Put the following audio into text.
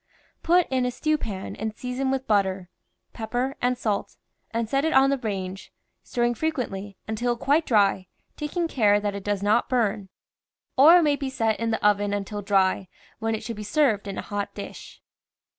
Put in a stew pan and season with butter, pep per and salt, and set it on the range, stirring fre quently, until quite dry, taking care that it does not burn. Or it may be set in the oven until dry, when it should be served in a hot dish.